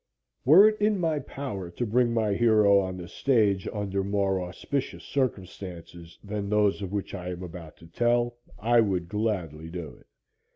Were it in my power to bring my hero on the stage under more auspicious circumstances than those of which I am about to tell, I would gladly do it.